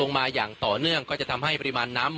ตอนนี้ผมอยู่ในพื้นที่อำเภอโขงเจียมจังหวัดอุบลราชธานีนะครับ